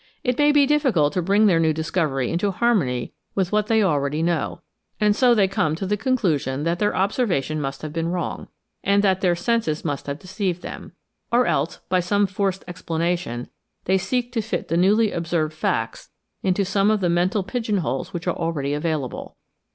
It may be difficult to bring their new discovery into harmony with what they already know, and so they come to the conclusion that their observation must have been wrong, and that their senses must have deceived them ; or else, by some forced explanation, they seek to fit the newly observed facts into some of the mental pigeon holes which are already available.